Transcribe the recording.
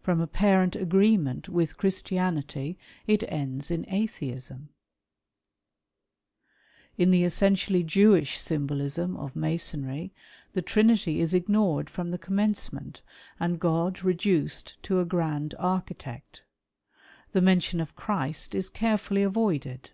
From apparent agreement with Christianity it ends in Atheism. FREEMASONRY AVITU OURSELVES. 133 In the essentially Jewish symbolism of Masonry, the Trinity is ignored from the commencement, and God reduced to a Grand Architect. The mention of Christ is carefully avoided.